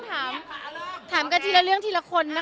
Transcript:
ถามกันทีละเรื่องทีละคนนะคะ